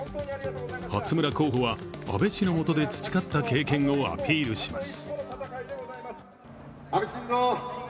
初村候補は安倍氏のもとで培った経験をアピールします。